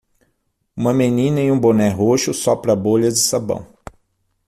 Uma menina em um boné roxo sopra bolhas de sabão.